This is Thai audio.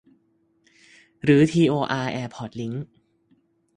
รื้อทีโออาร์แอร์พอร์ตลิงค์